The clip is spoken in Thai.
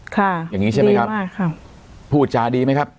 ค่ะดีมากครับอย่างนี้ใช่ไหมครับพูดจาดีไหมครับ